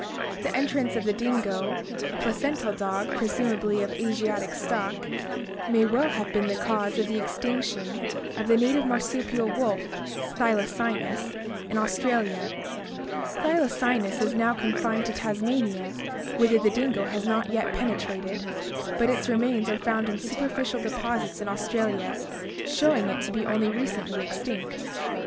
The en trance of the dingo, a placental dog presumably of Asiatic stock, may well have been the cause of the extinction of the native mar supial "wolf," Thylacynus, in Australia (see also page 108). Thy lacynus is now confined to Tasmania whither the dingo has not yet penetrated, but its remains are found in superficial deposits in Australia, showing it to be only recently extinct.